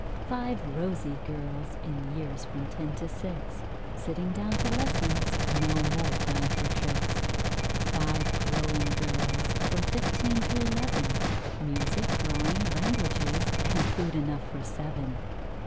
Five rosy girls, in years from Ten to Six: Sitting down to lessons no more time for tricks. Five growing girls, from Fifteen to Eleven: Music, Drawing, Languages, and food enough for seven!